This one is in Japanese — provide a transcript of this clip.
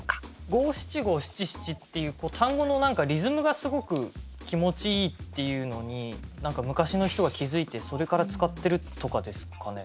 五七五七七っていう単語のリズムがすごく気持ちいいっていうのに何か昔の人が気付いてそれから使ってるとかですかね？